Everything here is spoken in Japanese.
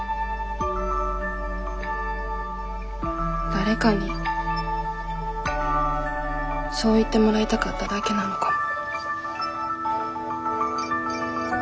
誰かにそう言ってもらいたかっただけなのかも。